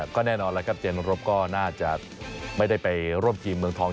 ก็แน่นอนแล้วครับเจนรบก็น่าจะไม่ได้ไปร่วมทีมเมืองทอง